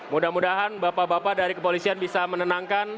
mudah mudahan bapak bapak dari kepolisian bisa menenangkan